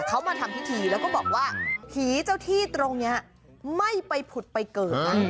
เขามาทำพิธีแล้วก็บอกว่าผีเจ้าที่ตรงนี้ไม่ไปผุดไปเกิดนะ